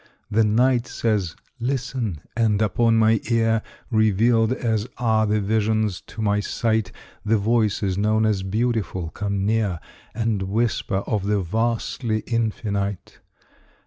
The Night says, "Listen!" and upon my ear Revealed, as are the visions to my sight, The voices known as "Beautiful" come near And whisper of the vastly Infinite.